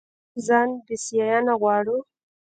آیا موږ ځان بسیاینه غواړو؟